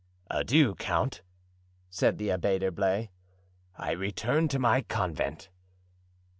"Adieu, count," said the Abbé d'Herblay; "I return to my convent."